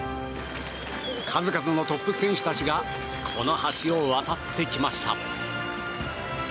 数々のトップ選手たちがこの橋を渡ってきました。